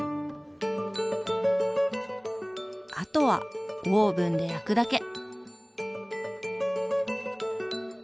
あとはオーブンで焼くだけ。